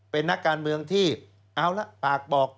เป็นนักการเมืองที่เอาละปากบอก